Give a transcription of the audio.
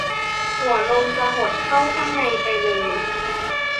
หัวนมจะหดเข้าข้างในไปเลย